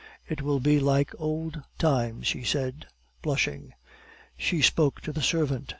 It will be like old times," she said, blushing. She spoke to the servant.